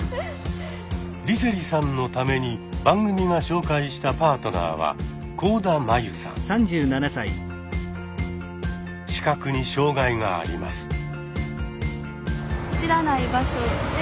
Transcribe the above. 梨星さんのために番組が紹介したパートナーは視覚に障害があります。